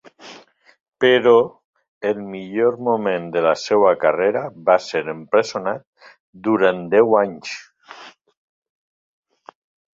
Però, en el millor moment de la seva carrera, va ser empresonat durant deu anys.